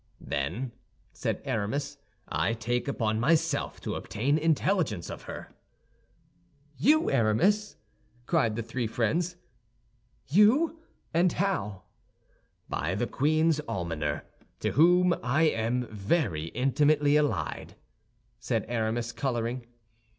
"Then," said Aramis, "I take upon myself to obtain intelligence of her." "You, Aramis?" cried the three friends. "You! And how?" "By the queen's almoner, to whom I am very intimately allied," said Aramis, coloring.